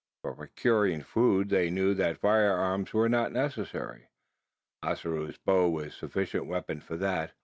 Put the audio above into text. For procuring food they knew that firearms were not necessary. Ossaroo's bow was sufficient weapon for that.